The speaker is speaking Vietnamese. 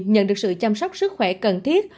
nhận được sự chăm sóc sức khỏe cần thiết